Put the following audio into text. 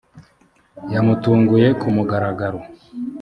yamutunguye ku mugaragaro.